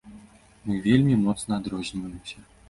Мы вельмі моцна адрозніваемся.